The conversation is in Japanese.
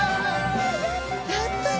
やったね！